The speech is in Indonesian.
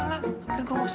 nanti gue mau sakit